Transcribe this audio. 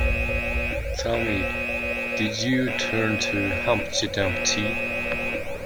Tell me, did you turn to Humpty Dumpty?